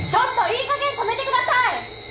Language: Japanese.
いい加減止めてください！